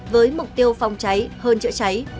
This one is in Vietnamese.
với mục tiêu phong cháy hơn chữa cháy